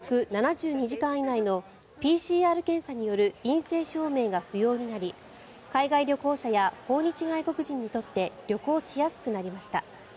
今回の緩和でこれまで必要だった現地出国７２時間以内のＰＣＲ検査による陰性証明が不要になり海外旅行者や訪日外国人にとって旅行しやすくなりました。